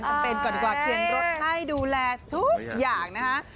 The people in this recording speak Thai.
สำคัญก่อนกว่าเครนรถให้ดูแลทุกอย่างนะ